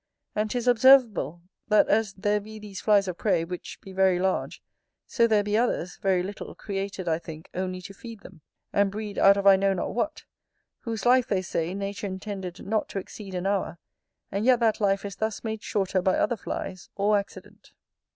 And 'tis observable, that as there be these flies of prey, which be very large; so there be others, very little, created, I think, only to feed them, and breed out of I know not what; whose life, they say, nature intended not to exceed an hour; and yet that life is thus made shorter by other flies, or accident.